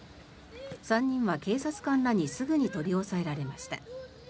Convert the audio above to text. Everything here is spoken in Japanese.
３人は警察官らにすぐに取り押さえられました。